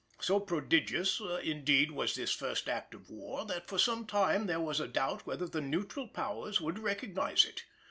So prodigious indeed was this first act of war that for some time there was a doubt whether the Neutral Powers would recognise it.